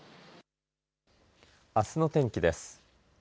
あすの天気です。